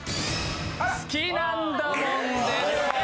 「好きなんだもん」です。